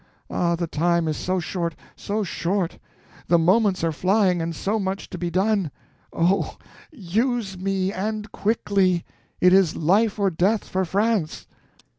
Ah, the time is so short, so short; the moments are flying, and so much to be done. Oh, use me, and quickly—it is life or death for France."